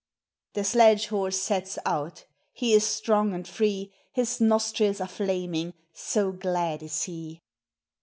The sledge horse sets out, he is strong and free, His nostrils are flaming, so glad is he.